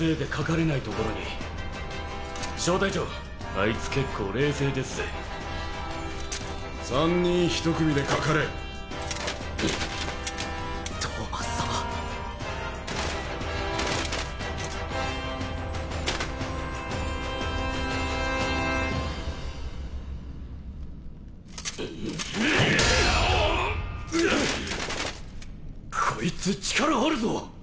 こいつ力あるぞ。